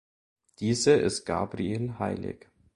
Diese ist Gabriel heilig.